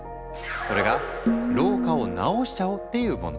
それが老化を治しちゃおう！っていうもの。